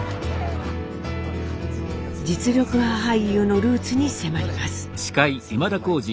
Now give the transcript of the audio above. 実力派俳優のルーツに迫ります。